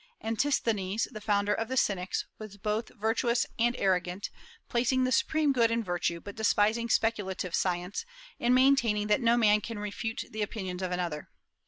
Antisthenes, the founder of the Cynics, was both virtuous and arrogant, placing the supreme good in virtue, but despising speculative science, and maintaining that no man can refute the opinions of another.